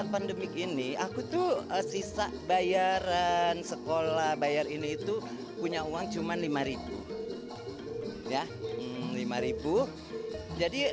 pandemi gini aku tuh sisa bayaran sekolah bayar ini itu punya uang cuman rp lima ya rp lima jadi